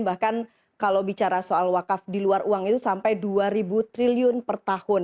bahkan kalau bicara soal wakaf di luar uang itu sampai dua ribu triliun per tahun